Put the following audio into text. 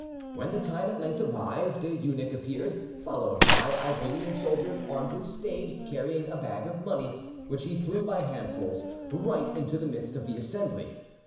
When the time at length arrived, an eunuch appeared, followed by Albanian soldiers armed with staves, carrying a bag of money, which he threw by handfuls right into the midst of the assembly.